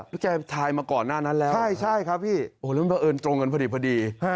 นี่แกทายมาก่อนหน้านั้นแล้วใช่ใช่ครับพี่โอ้โหแล้วมันเป็นประเอิญตรงกันพอดี